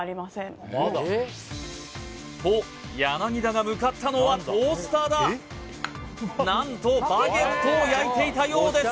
と田が向かったのはトースターだ何とバゲットを焼いていたようです